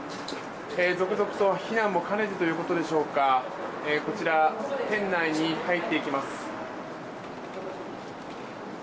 続々と避難も兼ねてということでしょうかこちら、店内に入っていきます。